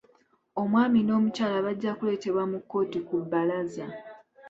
Omwami n'omukyala bajja kuleteebwa mu kkooti ku bbalaza.